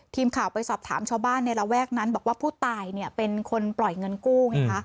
ทีมข่าวไปสอบถามชาวบ้านในระแวกนั้นบอกว่าผู้ตายเนี่ยเป็นคนปล่อยเงินกู้ไงคะ